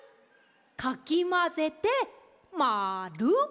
かきまぜてまる。